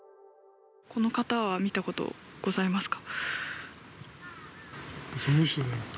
この方は見たことございますか？